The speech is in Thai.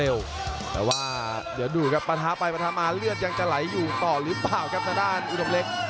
เดี๋ยวดูครับปาทารูปภักดิ์ไปปาทารูปภักดิ์มาเลือดยังจะไหลอยู่ต่อหรือเปล่าครับสะดานอุดมเล็ก